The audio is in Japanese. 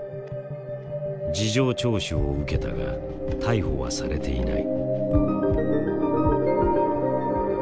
事情聴取を受けたが逮捕はされていない。